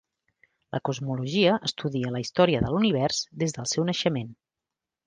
La cosmologia estudia la història de l'univers des del seu naixement.